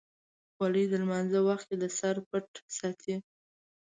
خولۍ د لمانځه وخت کې د سر پټ ساتي.